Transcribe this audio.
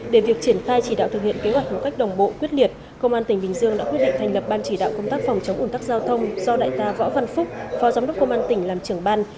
để việc triển khai chỉ đạo thực hiện kế hoạch một cách đồng bộ quyết liệt công an tỉnh bình dương đã quyết định thành lập ban chỉ đạo công tác phòng chống ủn tắc giao thông do đại tá võ văn phúc phó giám đốc công an tỉnh làm trưởng ban